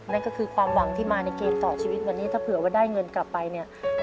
นั่นก็คือความหวังที่มาในเกมต่อชีวิตวันนี้ถ้าเผื่อว่าได้เงินกลับไปเนี่ย